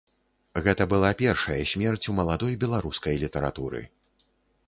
Гэта была першая смерць у маладой беларускай літаратуры.